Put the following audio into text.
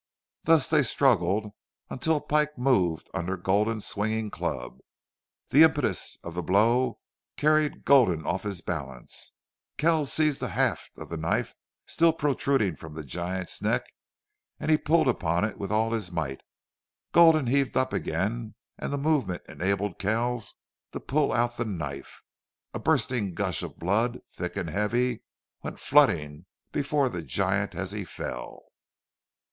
Thus they struggled until Pike moved under Gulden's swinging club. The impetus of the blow carried Gulden off his balance. Kells seized the haft of the knife still protruding from the giant's neck, and he pulled upon it with all his might. Gulden heaved up again, and the movement enabled Kells to pull out the knife. A bursting gush of blood, thick and heavy, went flooding before the giant as he fell.